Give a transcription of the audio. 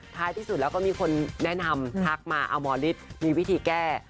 ท้ายที่สุดแล้วก็มีคนแนะนำทักมาเอาหมอฤทธิ์มีวิธีแก้